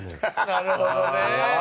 なるほどね。